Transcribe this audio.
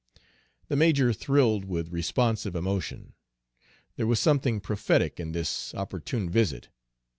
The major thrilled with responsive emotion. There was something prophetic in this opportune visit.